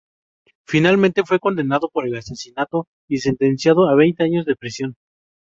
Finalmente fue condenado por el asesinato y sentenciado a veinte años de prisión.